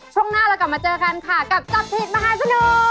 ช่วงหน้าว่าเรากลับมาเจอกันค่ะ